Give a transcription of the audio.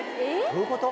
どういうこと？